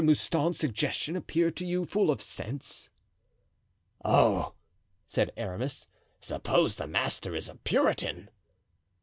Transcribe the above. Mouston's suggestion appear to you full of sense?" "Oh!" said Aramis, "suppose the master is a Puritan?"